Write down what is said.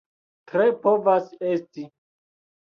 Tre povas esti.